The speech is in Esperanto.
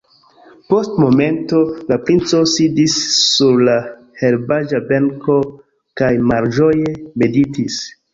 Post momento la princo sidis sur la herbaĵa benko kaj malĝoje meditis.